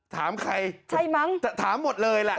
ถามใครใช่มั้งถามหมดเลยแหละ